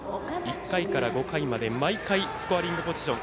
１回から５回まで毎回スコアリングポジション。